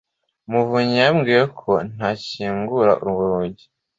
muvunyi yambwiye ko ntakingura urwo rugi.